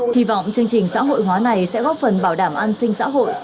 hy vọng chương trình xã hội hóa này sẽ góp phần bảo đảm an sinh xã hội